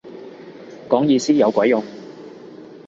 講意思有鬼用